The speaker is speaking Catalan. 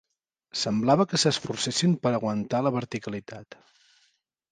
Semblava que s'esforcessin per a aguantar la verticalitat